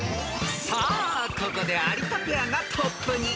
［さあここで有田ペアがトップに］